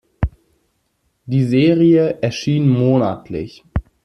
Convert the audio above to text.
Die Serie erschien monatlich.